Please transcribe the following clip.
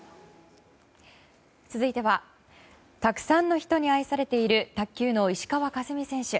続いてはたくさんの人に愛されている卓球の石川佳純選手。